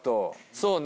そうね。